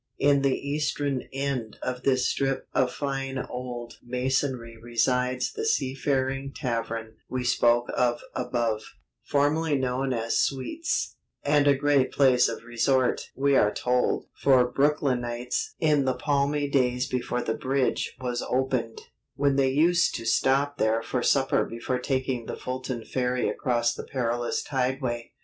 In the eastern end of this strip of fine old masonry resides the seafaring tavern we spoke of above; formerly known as Sweet's, and a great place of resort (we are told) for Brooklynites in the palmy days before the Bridge was opened, when they used to stop there for supper before taking the Fulton Ferry across the perilous tideway.